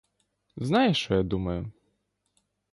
Знаєш, що я думаю?